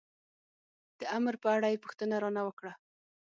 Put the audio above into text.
د امر په اړه یې پوښتنه را نه وکړه.